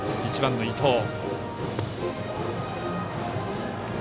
１番の伊藤。